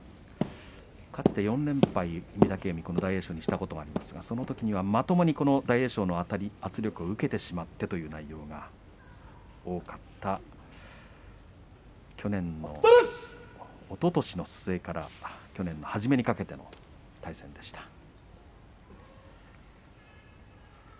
かつて４連敗を御嶽海は大栄翔にしたことがあるんですがその時にはまともに大栄翔のあたり圧力を受けてしまったという内容が多かったおととしの末から去年の初めにかけての対戦でした。